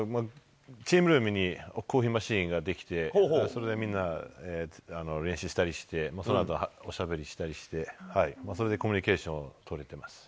チームルームにコーヒーマシンができて、それでみんな練習したりして、そのあとおしゃべりしたりして、それでコミュニケーション